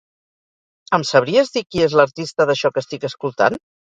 Em sabries dir qui és l'artista d'això que estic escoltant?